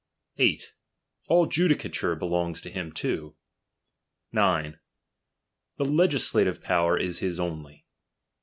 8. All judicature belongs to him too. 9. The legisla tive power is hia only.